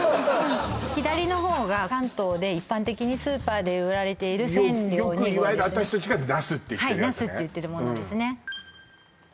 左のほうが関東で一般的にスーパーで売られている千両２号ですねよくいわゆる私たちがナスっていってるやつねはいナスっていってるものですね